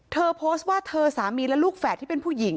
เธอโพสต์ว่าเธอสามีและลูกแฝดที่เป็นผู้หญิง